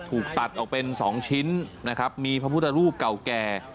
ถูกตัดออกเป็น๒ชิ้นนะครับมีพระพุทธรูปเก่าแก่